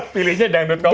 pilihnya dangdut koplo ya